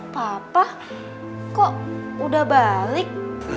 papa kok udah balik